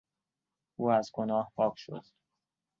او از گناه پاک شد.